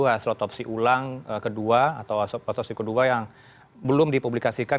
hasil otopsi ulang kedua atau otopsi kedua yang belum dipublikasikan